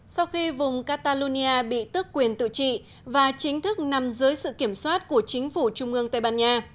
sau khi vùng catalonia bị tức quyền tự trị và chính thức nằm dưới sự kiểm soát của chính phủ trung ương tây ban nha